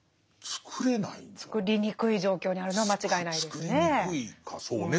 つくりにくい状況にあるのは間違いないですね。